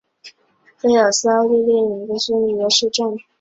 菲尔斯是奥地利蒂罗尔州罗伊特县的一个市镇。